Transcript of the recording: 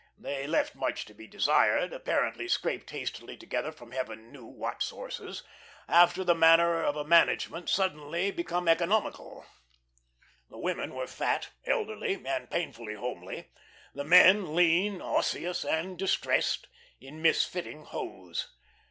They left much to be desired; apparently scraped hastily together from heaven knew what sources, after the manner of a management suddenly become economical. The women were fat, elderly, and painfully homely; the men lean, osseous, and distressed, in misfitting hose.